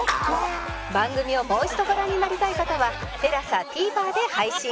番組をもう一度ご覧になりたい方は ＴＥＬＡＳＡＴＶｅｒ で配信